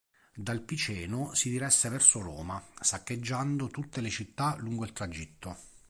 Dal Piceno si diresse verso Roma, saccheggiando tutte le città lungo il tragitto.